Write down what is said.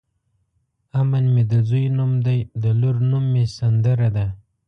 امن مې د ځوی نوم دی د لور نوم مې سندره ده.